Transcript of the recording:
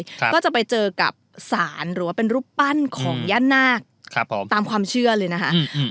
ครับก็จะไปเจอกับสารหรือว่าเป็นรูปปั้นของย่านาคครับผมตามความเชื่อเลยนะคะอืม